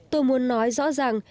tôi muốn nói rõ ràng